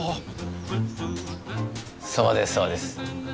そうですそうです。